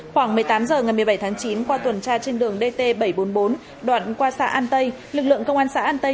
khoảng một mươi tám h ngày một mươi bảy tháng chín qua tuần tra trên đường dt bảy trăm bốn mươi bốn đoạn qua xã an tây lực lượng công an xã an tây